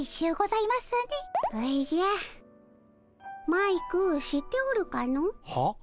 マイク知っておるかの？は？